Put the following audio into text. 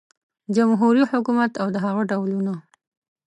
جمهوري حکومت او د هغه ډولونه